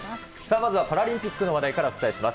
まずはパラリンピックの話題からお伝えします。